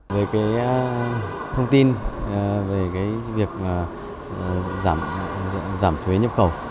về cái thông tin về cái việc giảm thuế nhập khẩu